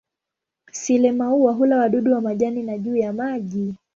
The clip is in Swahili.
Sile-maua hula wadudu kwa majani na juu ya maji.